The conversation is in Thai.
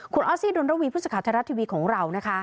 คุณออสซีดนรวีผู้ชาวธรรมดาทีวีของเรานะคะ